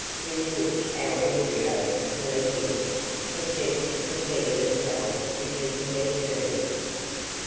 with which our embryo collegians attempt to prepare themselves for keeping their "terms."